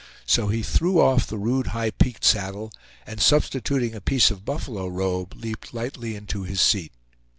So he threw off the rude high peaked saddle, and substituting a piece of buffalo robe, leaped lightly into his seat.